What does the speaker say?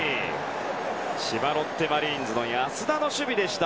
千葉ロッテマリーンズの安田の守備でした。